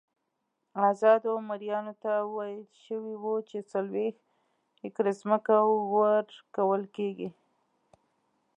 ازادو مریانو ته ویل شوي وو چې څلوېښت ایکره ځمکه ورکول کېږي.